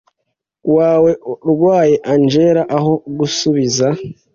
wawe arwaye angella aho gusubiza